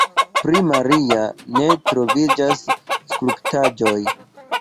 Pri Maria ne troviĝas skulptaĵoj.